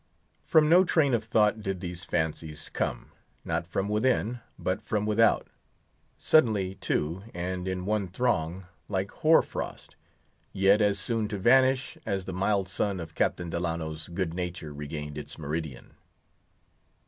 From no train of thought did these fancies come; not from within, but from without; suddenly, too, and in one throng, like hoar frost; yet as soon to vanish as the mild sun of Captain Delano's good nature regained its meridian.